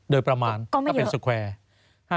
ก็ไม่เยอะ